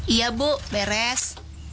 iya bu beres